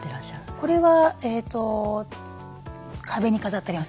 これは壁に飾ってあります。